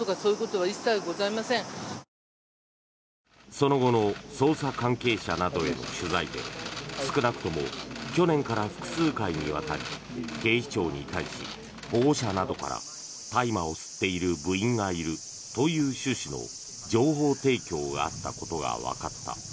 その後の捜査関係者などへの取材で少なくとも去年から複数回にわたり警視庁に対し保護者などから大麻を吸っている部員がいるとの情報提供があったことがわかった。